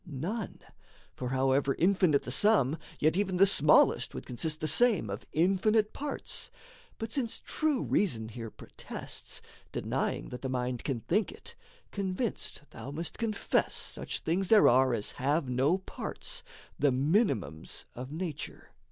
None: for however infinite the sum, Yet even the smallest would consist the same Of infinite parts. But since true reason here Protests, denying that the mind can think it, Convinced thou must confess such things there are As have no parts, the minimums of nature.